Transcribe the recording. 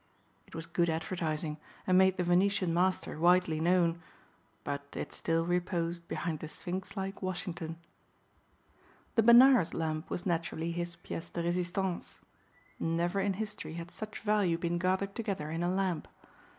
It was good advertising and made the Venetian master widely known. But it still reposed behind the sphinx like Washington. The Benares lamp was naturally his pièce de résistance. Never in history had such value been gathered together in a lamp.